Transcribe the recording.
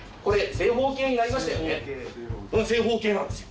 正方形なんですよ。